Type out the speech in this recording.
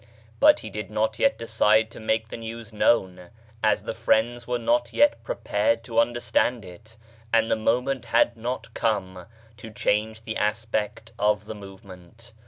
But he did not yet decide to make the news known, as the friends were not yet prepared to understand it, and the moment had not come to change the aspect of the movement.